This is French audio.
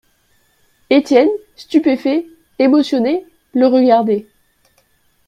Étienne, stupéfait, émotionné, le regardait.